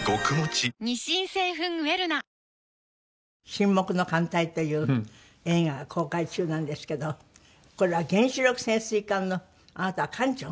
『沈黙の艦隊』という映画が公開中なんですけどこれは原子力潜水艦のあなたは艦長？